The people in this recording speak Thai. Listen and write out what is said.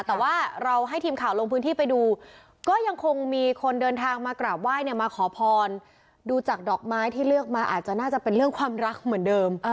แต่ว่าเราให้ทีมข่าวลงพื้นที่ไปดูก็ยังคงมีคนเดินทางมากราบไหว้เนี่ยมาขอพรดูจากดอกไม้ที่เลือกมาอาจจะน่าจะเป็นเรื่องความรักเหมือนเดิม